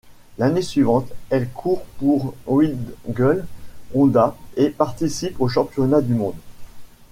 L'année suivante, elle court pour Wiggle Honda et participe aux championnats du monde.